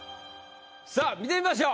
さあ見てみましょう。